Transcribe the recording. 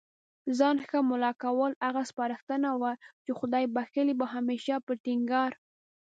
ځان ښه مُلا کول، هغه سپارښتنه وه چي خدای بخښلي به هميشه په ټينګار